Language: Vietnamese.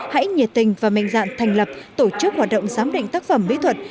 hãy nhiệt tình và mềnh dạng thành lập tổ chức hoạt động giám định tác phẩm mỹ thuật